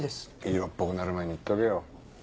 色っぽくなる前に言っとけよ。